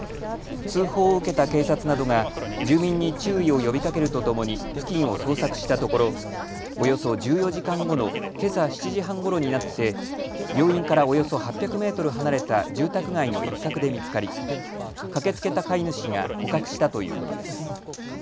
通報を受けた警察などが住民に注意を呼びかけるとともに付近を捜索したところおよそ１４時間後のけさ７時半ごろになって病院からおよそ８００メートル離れた住宅街の一角で見つかり駆けつけた飼い主が捕獲したということです。